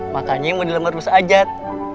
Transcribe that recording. makanya yang mau dilemarin eros ajar